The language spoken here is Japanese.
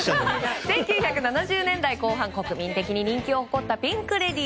１９７０年代後半国民的に人気を誇ったピンク・レディー。